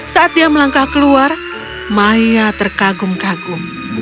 saat dia melangkah keluar maya terkagum kagum